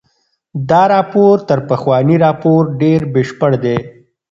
دا راپور تر پخواني راپور ډېر بشپړ دی.